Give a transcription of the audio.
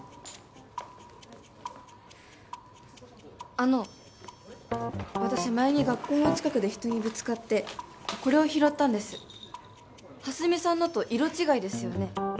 あの私前に学校の近くで人にぶつかってこれを拾ったんです蓮見さんのと色違いですよね？